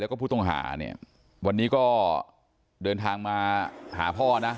แล้วก็ผู้ต้องหาเนี่ยวันนี้ก็เดินทางมาหาพ่อนะ